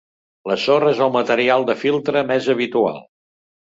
La sorra és el material de filtre més habitual.